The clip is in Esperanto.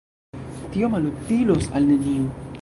Tio malutilos al neniu.